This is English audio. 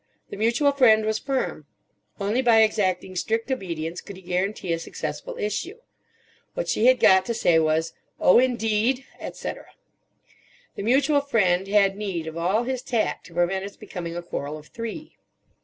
The mutual friend was firm. Only by exacting strict obedience could he guarantee a successful issue. What she had got to say was, "Oh, indeed. Etcetera." The mutual friend had need of all his tact to prevent its becoming a quarrel of three.